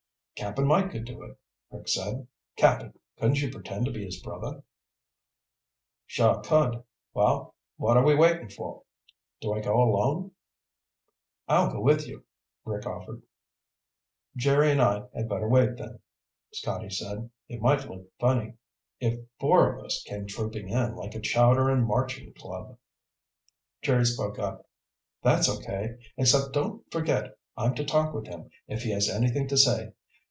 "Cap'n Mike could do it," Rick said. "Cap'n, couldn't you pretend to be his brother?" "Sure I could. Well, what are we waiting for? Do I go alone?" "I'll go with you," Rick offered. "Jerry and I had better wait, then," Scotty said. "It might look funny if four of us came trooping in like a chowder and marching club." Jerry spoke up. "That's okay, except don't forget I'm to talk with him if he has anything to say.